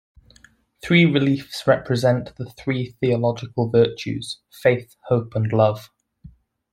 Three reliefs represent the Three theological virtues Faith, Hope, and Love.